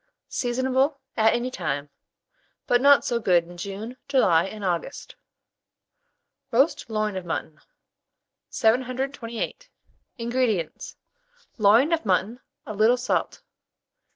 Seasonable at any time, but not so good in June, July, and August. ROAST LOIN OF MUTTON. 728. INGREDIENTS. Loin of mutton, a little salt.